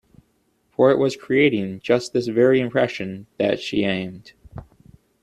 For it was at creating just this very impression that she aimed.